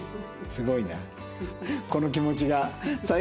すごいな。